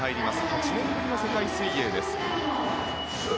８年ぶりの世界水泳です。